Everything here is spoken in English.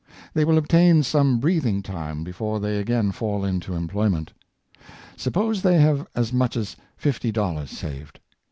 They will obtain some breathing time be fore they again fall into employment. Suppose they have as much as fifty dollars saved.